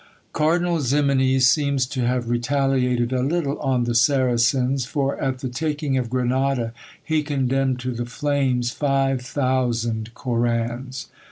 Cardinal Ximenes seems to have retaliated a little on the Saracens; for at the taking of Granada, he condemned to the flames five thousand Korans.